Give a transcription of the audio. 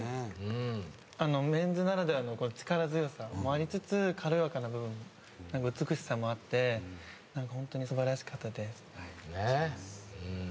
メンズならではの力強さもありつつ軽やかな部分美しさもあってホントに素晴らしかったです。